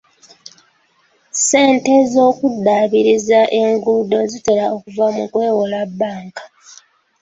Ssente ez'okuddaabiriza enguudo zitera kuva mu kwewola bbanka.